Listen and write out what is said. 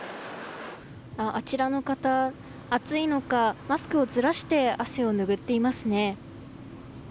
あちらの方、暑いのかマスクをずらして汗をぬぐっていますね。